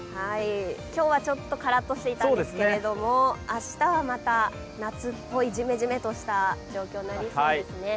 今日はちょっとカラッとしていたんですけれども、明日はまた夏っぽいジメジメとした状況になりそうですね。